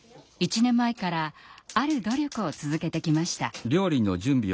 １年前からある努力を続けてきました。